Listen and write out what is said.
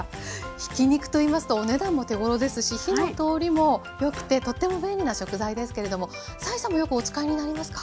ひき肉と言いますとお値段も手ごろですし火の通りもよくてとっても便利な食材ですけれども斉さんもよくお使いになりますか？